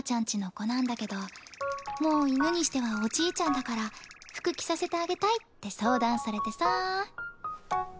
家の子なんだけどもう犬にしてはおじいちゃんだから服着させてあげたいって相談されてさ。